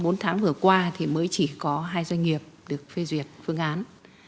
trong bốn tháng vừa qua thì mới chỉ có hai doanh nghiệp được phê duyệt phương án